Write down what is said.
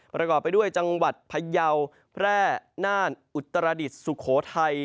ประกอบไปด้วยจังหวัดพยาวแพร่น่านอุตรดิษฐสุโขทัย